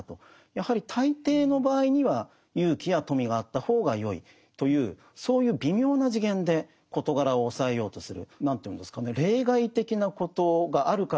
やはり大抵の場合には勇気や富があった方がよいというそういう微妙な次元で事柄をおさえようとする。